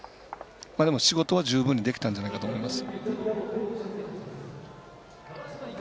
仕事は十分にできたんじゃないかなと思います。